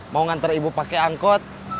mau nganter ibu pake angkot